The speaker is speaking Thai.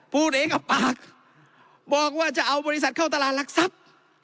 พูดเองกับปากบอกว่าจะเอาบริษัทเข้าตลาดหลักทรัพย์